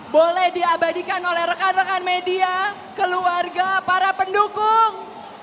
boleh diabadikan oleh rekan rekan media keluarga para pendukung